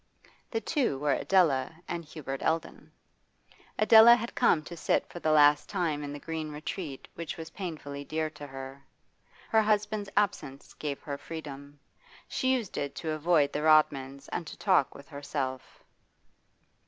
The two were Adela and Hubert Eldon. Adela had come to sit for the last time in the green retreat which was painfully dear to her. Her husband's absence gave her freedom; she used it to avoid the Rodmans and to talk with herself.